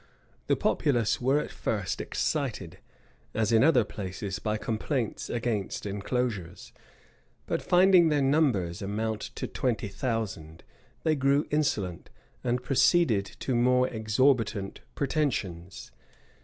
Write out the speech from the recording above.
The populace were at first excited, as in other places, by complaints against enclosures; but finding their numbers amount to twenty thousand, they grew insolent, and proceeded to more exorbitant pretensions.